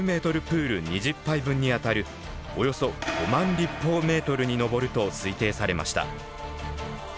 プール２０杯分にあたるおよそ５万立方メートルに上ると推定されました。